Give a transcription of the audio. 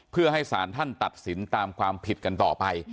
เพื่อให้สารท่านตัดสินตามความผิดกันต่อไป